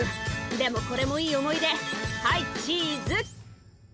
「でもこれもいい思い出！はいチーズ」